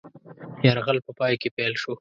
یرغل په پای کې پیل شو.